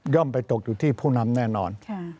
ไปตกอยู่ที่ผู้นำแน่นอน